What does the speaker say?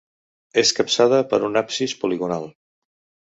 És capçada per un absis poligonal.